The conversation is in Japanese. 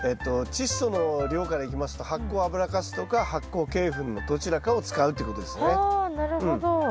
チッ素の量からいきますと発酵油かすとか発酵鶏ふんのどちらかを使うっていうことですね。はなるほど。